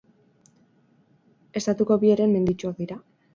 Estatuko bi heren menditsuak dira.